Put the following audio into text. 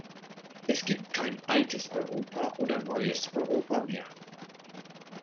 Es gibt kein "altes Europa" oder "neues Europa" mehr.